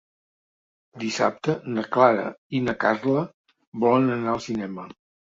Dissabte na Clara i na Carla volen anar al cinema.